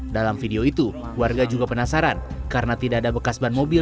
dalam video itu warga juga penasaran karena tidak ada bekas ban mobil